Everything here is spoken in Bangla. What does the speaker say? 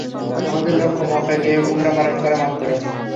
আমাদের লক্ষ্য মক্কায় গিয়ে উমরা পালন করা মাত্র।